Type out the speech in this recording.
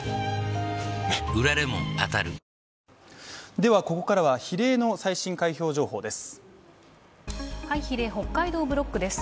ではここからは比例の最新開票情報です。